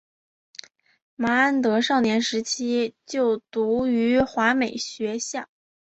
麻安德少年时期就读于华美学校。